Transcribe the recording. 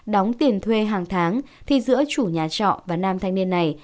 đóng tiền thuê hàng tháng thì giữa chủ nhà trọ và nam thanh niên này